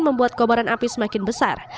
membuat kobaran api semakin besar